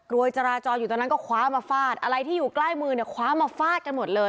วยจราจรอยู่ตรงนั้นก็คว้ามาฟาดอะไรที่อยู่ใกล้มือเนี่ยคว้ามาฟาดกันหมดเลย